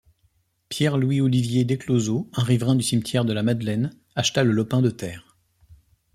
Pierre-Louis-Olivier Descloseaux, un riverain du cimetière de la Madeleine, acheta le lopin de terre.